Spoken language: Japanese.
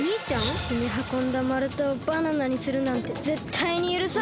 ひっしにはこんだまるたをバナナにするなんてぜったいにゆるさん！